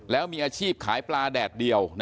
แล้วมีอาชีพขายปลาแดดเดียว